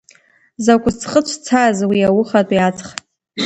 Закә ҵхы ҵәцаз уи аухатәи аҵх!